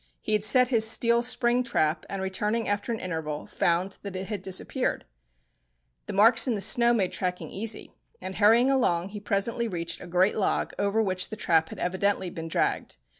He had set his steel spring trap, and returning after an interval, found that it had disappeared. The marks in the snow made tracking easy; and hurrying along, he presently reached a great log over which the trap had evidently been dragged.